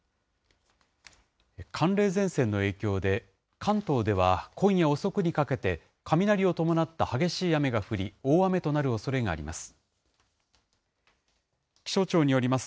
寒冷前線の影響で、関東では今夜遅くにかけて、雷を伴った激しい雨が降り、大雨となるおそれがあります。